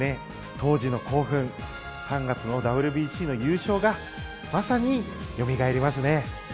当時の興奮３月のＷＢＣの優勝がまさによみがえりますね。